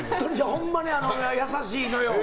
ほんまに優しいのよ。